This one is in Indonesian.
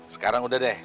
sekarang udah deh